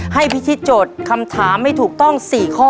ให้พิธีโจทย์คำถามไม่ถูกต้องสี่ข้อ